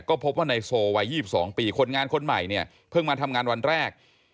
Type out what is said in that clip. ก็พบว่านายโซวัย๒๒ปีคนงานคนใหม่เนี่ยเพิ่งมาทำงานวันแรก